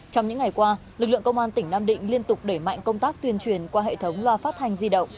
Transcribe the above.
trong những ngày qua lực lượng công an tỉnh nam định liên tục đẩy mạnh công tác tuyên truyền qua hệ thống loa phát hành di động